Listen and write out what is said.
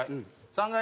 ３階。